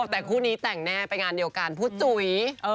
แต่คู่นี้แต่งแน่ไปงานเดียวกันผู้จุ๋ย